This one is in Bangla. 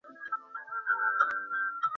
ধন্যবাদ, বন্ধু!